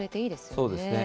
そうですね。